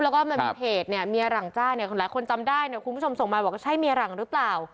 แล้วก็มีเพจเมียหลังจ้าละครคุณผู้ชมส่งมาว่าใช่เมียหลังหรือเปล่า